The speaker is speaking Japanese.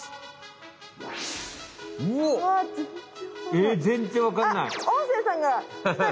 えっ全然わかんない。